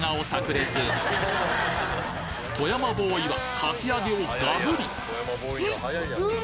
炸裂富山ボーイはかき揚げをガブリ！